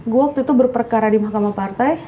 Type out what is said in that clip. gue waktu itu berperkara di mahkamah partai